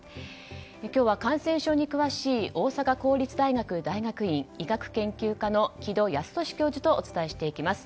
今日は感染症に詳しい大阪公立大学大学院医学研究科の城戸康年教授がお伝えしていきます。